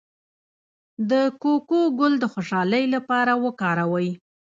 د کوکو ګل د خوشحالۍ لپاره وکاروئ